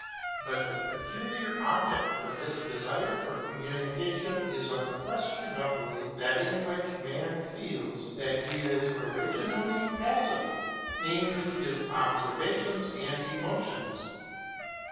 But the peculiar object of this desire for communication is unquestionably that in which man feels that he is originally passive, namely, his observations and emotions.